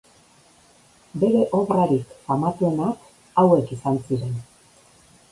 Bere obrarik famatuenak, hauek izan ziren.